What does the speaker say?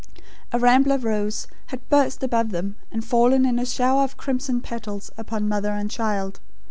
A rambler rose had burst above them, and fallen in a shower of crimson petals upon mother and child.